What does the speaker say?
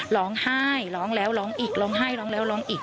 ร้องไห้ร้องแล้วร้องอีกร้องไห้ร้องแล้วร้องอีก